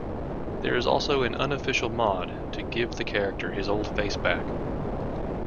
There is also an unofficial mod to give the character his old face back.